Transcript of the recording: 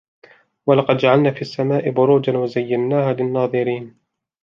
ولقد جعلنا في السماء بروجا وزيناها للناظرين